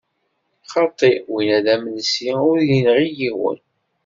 Xaṭi, winna d amelsi, ur yenɣi yiwen.